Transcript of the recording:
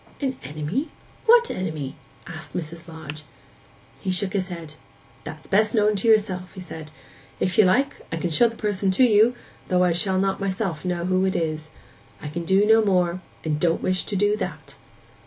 'An enemy? What enemy?' asked Mrs. Lodge. He shook his head. 'That's best known to yourself,' he said. 'If you like, I can show the person to you, though I shall not myself know who it is. I can do no more; and don't wish to do that.